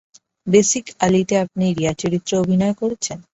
Basic আলীতে আপনি রিয়া চরিত্রে অভিনয় করেছেন?